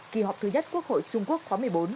kỳ họp thứ nhất quốc hội trung quốc khóa một mươi bốn